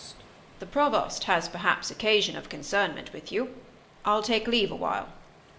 Enter Provost. The Provost has perhaps occasion of concernment With you. I'll take leave a while.